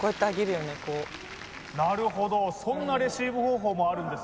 なるほどそんなレシーブ方法もあるんですね